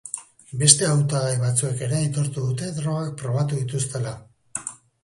Beste hautagai batzuek ere aitortu dute drogak probatu dituztela.